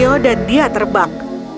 pinocchio dan dia terbang